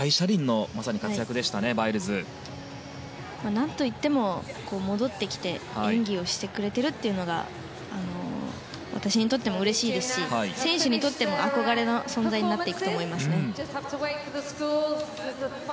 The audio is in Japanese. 何といっても戻ってきて演技をしてくれているというのが私にとってもうれしいですし選手にとっても、憧れの存在になっていくと思いますね。